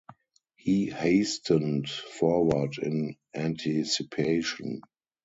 He hastened forward in anticipation.